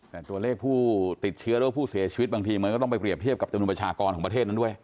แต่ตัวเลขผู้ติดเชื้อหรือว่าผู้เสียชีวิตบางทีมันก็ต้องไปเรียบเทียบกับจำนวนประชากรของประเทศนั้นด้วย